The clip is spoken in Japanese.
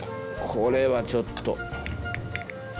これはちょっと。